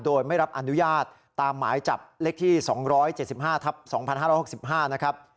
โดยไม่รับอนุญาตตามหมายจับเลขที่๒๗๕ทับ๒๕๖๕นะครับ